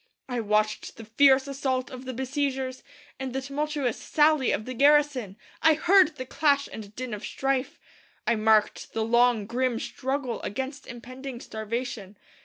I watched the fierce assault of the besiegers and the tumultuous sally of the garrison. I heard the clash and din of strife. I marked the long, grim struggle against impending starvation.